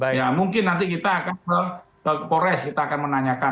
ya mungkin nanti kita akan ke polres kita akan menanyakan